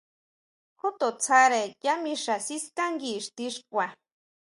Ju to tsáre yá mixa siskángui ixti xkua.